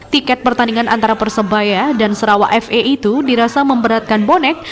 tiket pertandingan antara persebaya dan sarawak fa itu dirasa memberatkan bonek